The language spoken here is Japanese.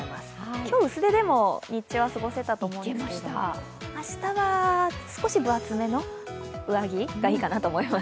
今日、薄手でも日中は過ごせたと思うんですが明日は少し分厚めの上着がいいかなと思います。